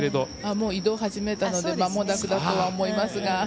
もう移動始めたのでまもなくだと思います。